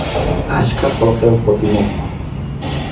Achka qullqiyuqtaq kutimuqku.